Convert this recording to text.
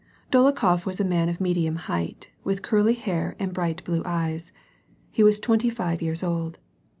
Dolokhof was a man of medium height, with curly hair and bright blue eyes. He was twenty five years old.